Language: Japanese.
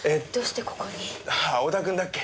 織田君だっけ？